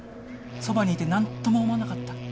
そばにいて何とも思わなかった？